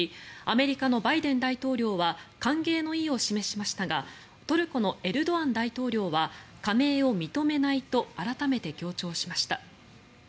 アメリカのバイデン大統領は歓迎の意を示しましたがトルコのエルドアン大統領は加盟を認めないと改めて強調しました。